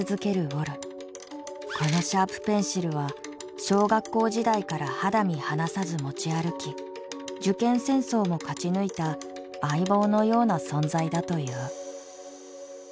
このシャープペンシルは小学校時代から肌身離さず持ち歩き受験戦争も勝ち抜いた相棒のような存在だという。